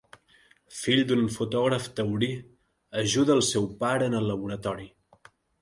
Fill d'un fotògraf taurí ajuda al seu pare en el laboratori.